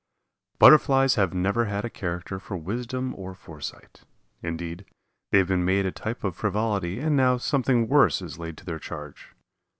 Butterflies have never had a character for wisdom or foresight. Indeed, they have been made a type of frivolity and now something worse is laid to their charge.